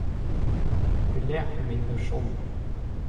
E pelec'h emaint o chom ?